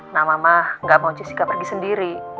nah mama nggak mau jessica pergi sendiri